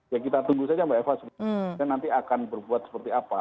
ya kita tunggu saja mbak eva kita nanti akan berbuat seperti apa